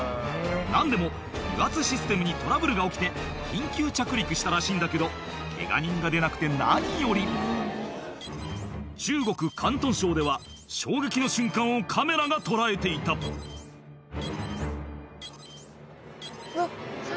何でも油圧システムにトラブルが起きて緊急着陸したらしいんだけどケガ人が出なくて何より中国広東省では衝撃の瞬間をカメラが捉えていたうわ猿？